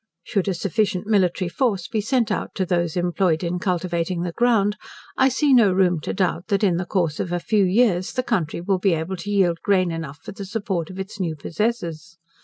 Should a sufficient military force be sent out to those employed in cultivating the ground, I see no room to doubt, that in the course of a few years, the country will be able to yield grain enough for the support of its new possessors.